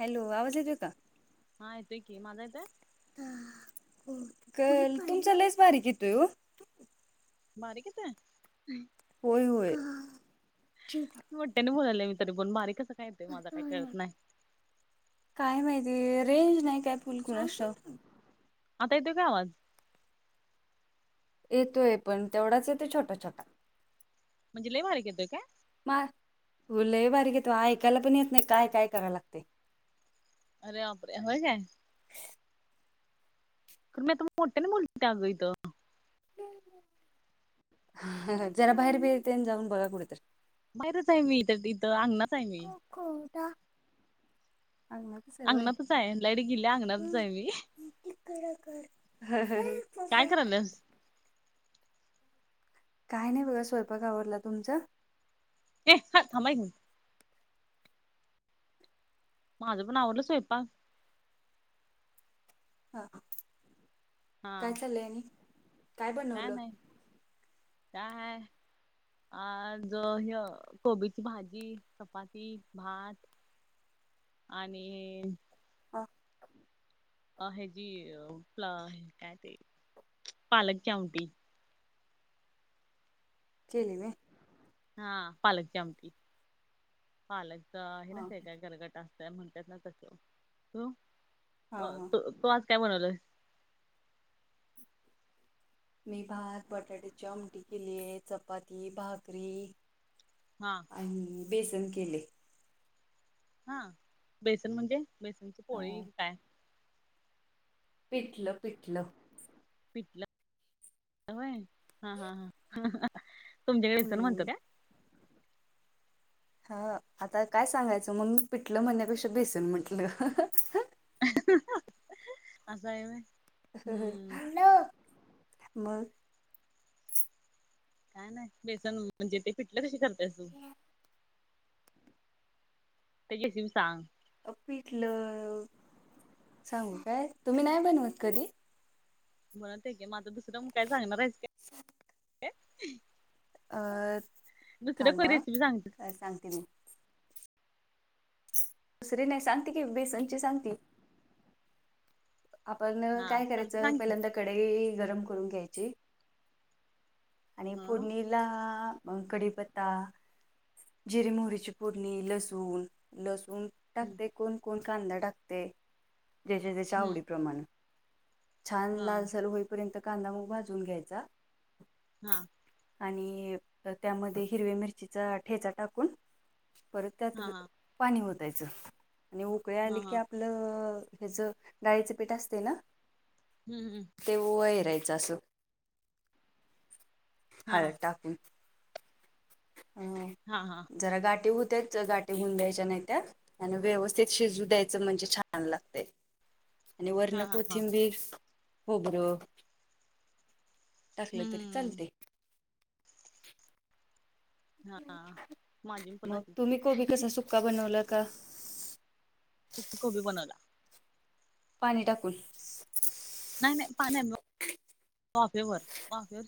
Hello आवाज येतोय का? हा येतोय की, माझा येतोय? तुमचा लयच बारीक येतोय ओ! बारीक येतोय? होय होय! मोट्यान बोलालोय मी तरी पण बारीक कसं काय तेच कळत नाय. काय माहिती रेंज नाही काय फुल कुणाश ठाऊक. आता येतोय का आवाज? येतोय पण तेवढाच येतोय छोटा छोटा. म्हणजे लय बारिक येतोय काय? मा हो लंय बारीक येतोय ऐकायला पण येत नाही काय काय कराय लागतय. अरे बापरे होय काय? खर मी आता मोठ्यान बोलतिया ग इथ. जरा बाहेर बीर तेन जाऊन बघा कुठ तर. बाहेरच आहे मी इथ इथं अंगणात आहे मी. अंगणात अंगणातच हाय लाईट गीलिया अंगणातच हाय मी. काय [unintelligible] करायल्यास काय नाही बघा स्वयंपाक आवरला. तुमच? ये हाड, थांबा एक मिनट. माझं पण आवरलं स्वयंपाक. हा हा काय चाललंय आणि? काय नाय काय हाय आज ह्य कोबीची भाजी, चपाती, भात आणि हा, अ ह्या ची, काय ते, पालकची आमटी. केली मी हा, पालकची आमटी. पालक आहे ना, हा त्याच करतात गरगटा. काय म्हणतात ना त, हा हा तू आज काय बनवलय? मी भात, बटाट्याची आमटी, केलीय चपाती, भाकरी हां, आणि बेसन केलय. हा,, बेसन म्हणजे, बेसनची हा. पोळी काय? पिठलं, पिठलं, पिटलं, होय हा, ह तुमच्याकडे बेसन म्हणतो हम्म काय. हा, आता काय सांगायचं मग ममी, पिटलं म्हणण्या्यापेक्षा बेसून म्हटलं. असं आहे होय हम्म हॅलो, मग काय नाही,, बेसन म्हणजे ते पिटलं कशी करत्यास तू? त कशी मी सांग? अ पिटलं, सांगू काय? तुम्ही नाही बनवत कधी? बणवतय की, म आता दुसरं काय सांगणार आहेच काय? सात, अ, दुसऱ्या काय थांबा रेसिपी सांग की. सांगते मी, दुसरी नाही सांगते की, बेसनची सांग ती. आपण हा काय चालते करायचं, सांग की पहिल्यांदा कडई गरम करून घ्यायची, आणि हा फुडणीला, कडीपत्ता, जिरीे मोहरीची फोडणी, लसूण, लसूण हम्म टाकते, कोण कोण कांदा टाकतेय, ज्याच्या त्याच्या हम्म आवडीप्रमाण. छान हा लाल सर होईपर्यंत कांदा मग भाजून घ्यायचा. हा आणि, त्यामध्ये हिरव्या मिरचीचा ठेचा टाकून, परत त्यात हा हा पाणी वतायचं, आणि उकळे हा आले की हा आप आपलं ह्याच डाळीच पीठ असतय ना, हम्, हम् ते वैरायचं असं, हा हळद टाकून. हम, हा हा, जरा गाठीे होत्याच, गाठीे होऊन द्यायच्या नाहीत्या. आणि व्यवस्थित शिजू द्यायचं, म्हणजे छान लागतय. आणि वर्ण हा हा हा कोथिंबीर, खोबरं, टाकलं तरी हम्म चालतय. हाहा, माझी पण मग तुम्ही कोबी अशीच कसा सुक्का बनवला का सु कोबी बनवला. पाणी टाकून. नाही नाही, पाण्या वाफे वर, वाफेवर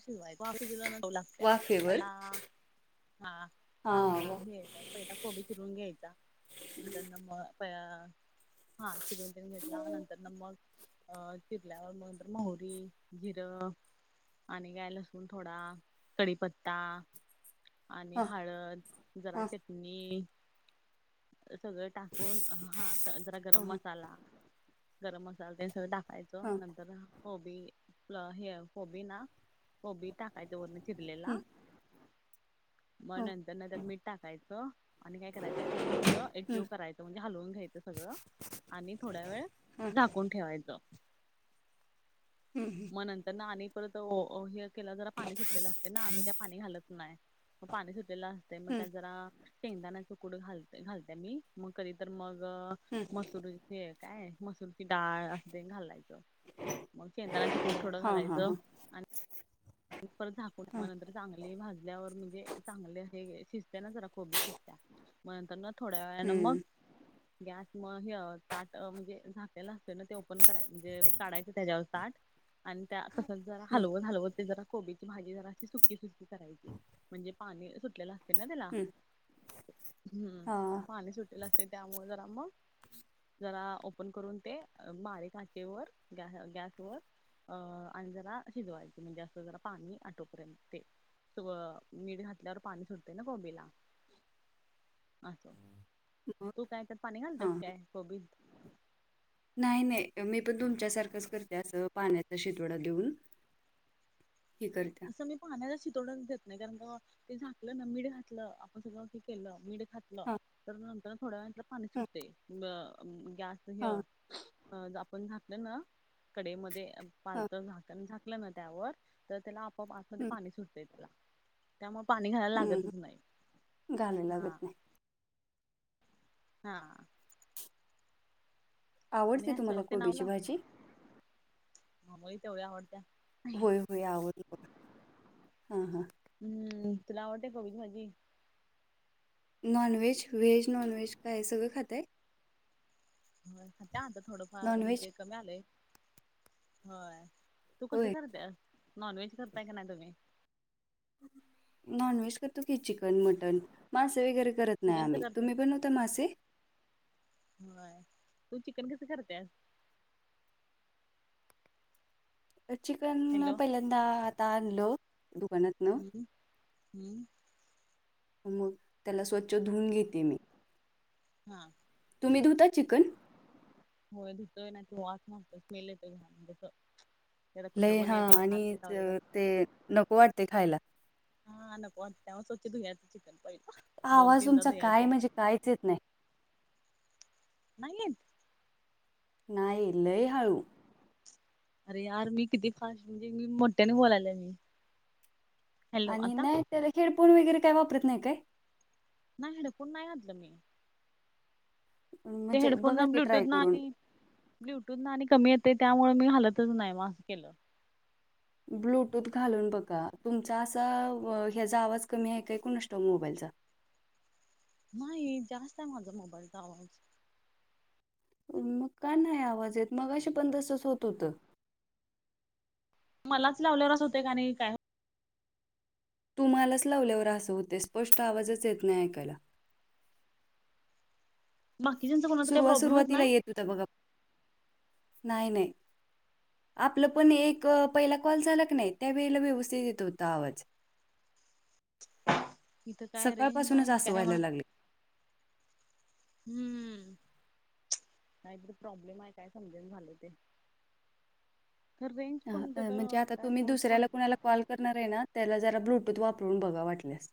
शिजवलेल चव लागतय, वाफेवर पहिला, हा, हा कांदा हे, पहिला कोबी चिरून घ्यायचा, त्यांना, म प हा चिरवून चिरून घेतला नंतर ना मग, अ चिरल्यावर मग नंतर मोहुरी, जिरं, आणि काय लसून थोडा, कडीीपत्ता, आणि हा हळद, जरा हां चटणी, सगळ टाकून,, हा जरा हां गरम हां मसाला, गरम मसाला त्यानी सगळं टाकायचं. हां नंतर कोबी,, हे,, कोबी ना, कोबी टाकायच वरण चिरर्लेला हं मग हां नंतर ना त्यात मीठ टाकायचं,, आणि काय करायचं, पूर्ण सगळं एकजिव हं करायचं, म्हणजे हलवून घ्यायचं सगळं, आणि थोड्या वेळ हां झाकून ठेवायचं. हम् हम मग नंतर ना आणि परत हे केला, जरा पाणी सुटलेलं असतेय ना,, आम्ही काय पाणी घालत नाही. मग पाणी सुटलेलं असतय, मग हं त्यात जरा शेंगदाणा च कुट घालत घालते मी,, मग कधी तर मग हं मसूर काय, मसूरची डाळ असं घालायचं, मग शेंदना च कूट थोडं हां हां घालायचं. हां परत झाकून, हां मग नंतर चांगली भाज ल्यावर म्हणजे चांगले हे, शिजते ना जरा कोबी शिजत्या,, मग नंतर ना थोड्या वेळने मग [inaudible] गॅस मग, हे ताट म्हणजे, झाकलेला असते ना ते ओपन करायच, म्हणजे काढायचं त्याच्यावर ताट आणि त्या तसंच जरा हं हलवत हलवत ते जरा कोबीची भाजी जराशी सुकी सुकी करायची, म्हणजे पाणी सुटलेलं असतय ना त्याला हम्म् हा पाणी सुटलेल असतंय, त्यामुळे जरा मग जरा ओपन करून ते,, बारीक आचेवर, गॅसवर अं, आणि जरा शिजवायचे, म्हणजे अस जरा पाणी आठुपर्यंत ते मीठ घातल्यावर पाणी सुटतय ना कोबीला. असो,, मग तू काय तर पाणी हां घालतेस काय कोबीत नाही नाही, मी पण तुमच्यासारखंच करत्या,, असं पाण्याचा शितवडा देऊन. हे करते. असं मी पाण्याला शितोडाच देत नाही. कारण ते झाकलं ना, मीठ घातलं आपण सगळ केलं. मीठ घातलं, हां तर नंतर थोड्या वेळाने त्याला पाणी हां सुटतंय. मग गॅस हे हां अ.. आपण घातलं ना कडइमध्ये, हां पालतझाकण झाक लना त्यावर. तर त्याला आपोआप आतमध्ये हं पाणी सुटतंय, त्याला. त्यामुळं पाणी घालायला हं लागतच नाही. घालायला हा.. लागत नाही हां. आणि, आवडते तुम्हाला [unintelligible] कोबीची भाजी आंबोळी तेवढी आवडत्या. होय-होय, आवरल बघा. ह.. ह हम्म्, तुला आवडते कोबीची भाजी नॉनव्हेज, व्हेज-नॉनव्हेज काय सगळं खातय हो. त्यानंतर थोडंफार नॉनव्हेज म्हणजे, कमी आलंय. होय. तू कसं होय करत्यास, नॉनव्हेज करताय कां नाही तु्म्ही नॉनव्हेज करतो की, चिकन, मटन. मासे वगैरे करत नाही चिकन का आम्ही. करताय तुम्ही पण फक्त, मासेे. व्हय, तू चिकन कसं करत्यास चिकन, हॅलो पहिल्यांदा आता आणलं दुकानात हम्म्, हम्म् मग, त्याला स्वच्छ धुवून घेते मी हा तुम्ही, धुता चिकन होय, धुतोय. नाही तर वास मारतोय, स्मेल येतोय घान लय, हा आणि त.. असतंय ते नको वाटते खायला. हा, आता पोचल्यावर स्वच्छधुयाच चिकन. पहि आवाज तुमचा, काय म्हणजे काहीच येत नाही. नाही येत? नाही, लय हाळू. अरे यार, मी किती फास्ट! म्हणजे मी मोठ्याने, बोलायलोय मी. हॅलो आणि, आता नाही तर हेडफोन वगैरे काय वापरत नाही काय? नाही, हेडफोन नाही घातलं मी. ते म्हणजे बघा हेडफोनन, की ट्राय ब्लूटूथन करून आणि ब्लुटूथन आणि कमी येतय, त्यामुळं मी घालतच नाही. म, असं केल्यावर- ब्लूटूथ घालून बघा, तुमचा असा ह्याचा आवाज कमी आहे काय, कुणास ठाऊक? मोबाईलचा? नाही. जास्त आहे माझा मोबाईलचा आवाज. मग, कां नाही आवाज येत? मगाशी पण, तसंच होत होत. मलाच, लावल्यावर असं होतयं का आणि काय तुम्हालाच लावल्यावर आसं होतंय, स्पष्ट आवाजच येत नाही ऐकायला. बाकीच्यांचा कुणाचा काय प्रॉब्लेम येत नाही? तर बघा, नाही-नाही. [unintelligible] आपलं पण, एक पहिला कॉल झाला की नाही, त्यावेेळेला व्यवस्थित येत होता आवाज. इथं काय रेंज सकाळपासूनच नाही की आसं काय व्हायला मला लागलय. हम्म, काहीतरी प्रॉब्लेम आहे काय, समजना झालंय ते. - अ पण तर म्हणजे, आता काय तुम्ही पाऊस पण दुसऱ्याला कुणालाऽ- कॉल करणार आहे ना, त्याला जरा ब्लूटूथ वापरून बघा वाटल्यास.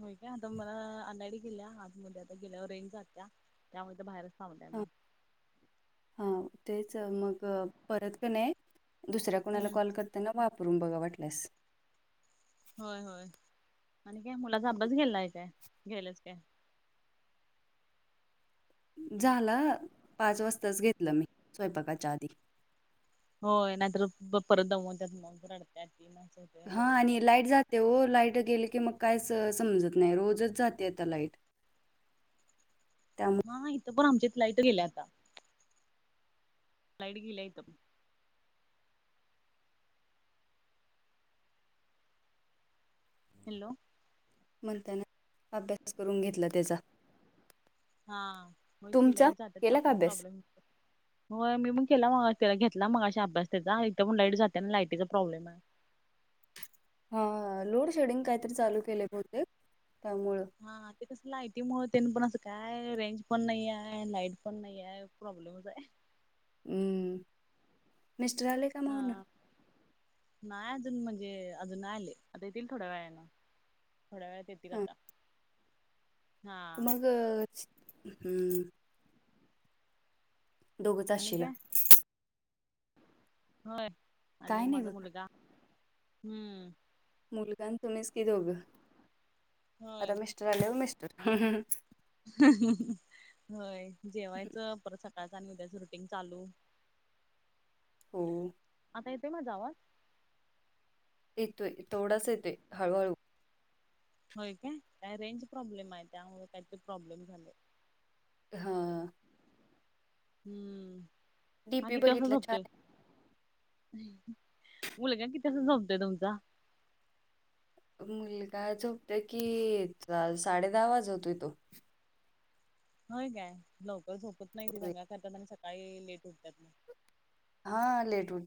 होय काय, आता मला आणायला गेल्या, आतमध्ये आता गेल्यावर रेंज जात्या, त्यामुळे ईथ बाहेरच थांबल्या. मी ह. हा. तेच मग परत की नाही दुसऱ्या कुणाला हम्म कॉल करताना, वापरून बघा वाटल्यास. होय, होय आणि काय मुलाचा अभ्यास घ्यायलाय काय? घ्यायल्यासं काय? झाला, पाच वाजताच घेतलं मी, स्वयंपाकाच्या आधी. होय, नाहीतर, प.. परत दमवत्यात मग, रडत्याती नं - [unintelligible] ह.. आणि लाईट जात्याओ, लाईट गेली की मग काहीच समजत नाही, रोजच जाते आता लाईट. त्यामुळे हा, इथं पण आमच्यात लाईट गेल्या आता. Light गिल्या ईथ- hello? म्हणतानाच अभ्यास करून घेतला त्याचा. हा, होय की, तुमचा लाईट जात्या, केला का त्यामुळे अभ्यास प्रॉब्लेम - होय, मी पण केला मगाशी त्याला घेतला मगाशी अभ्यास त्याचा, हिथ पण लाईट जाते ना, लायटीयचा प्रॉब्लेम आहे. हा, लोड शेडिंग काहीतरी चालू केलय बहुतेक, त्यामुळं. हा, ते कसं लायटी मुळ तेन पण, असं काय रेंज पण नाहीये, लाईट पण नाहीये. प्रोब्लमच आय. हम्म... मिस्टर आले का? मग हा. नाही अजून म्हणजे, अजून नाय आले, आता येतील थोड्या वेळाने. थोड्या वेळात येतील हां आता, हा. मग हम्म,, [unintelligible] दोघंच आणि अशीला? काय होय, आणि काय नाही माझा बघा मुलगा. हम्म.. मुलगा आणि तुम्हीच कि दोघं, होय आता मिस्टर आल्यावर मिस्टर. होय, जेवायचं परत सकाळचं आणि उद्याच रुटिंग चालू. हो. आता येतोय माझा आवाज? येतोय, तेवडाच येतोय, हळूहळू. होय काय, काय रेंज प्रॉब्लेम आहे, त्यामुळे काही ते प्रॉब्लेम झालय. हा. हम्म, हा डीपी किती वाजता बघितला छान झोपतोय? आहे. मुलगा किती वाजता झोपतोय तुमचा? मुलगा झोपतोय की, साडे दहा वाजवतोय तो. होय काय,, लवकर झोपत नाही त,, होय. दंगा करतात, आणि सकाळी लेट उठतात ना ग. हा,, लेट उठतेतऽ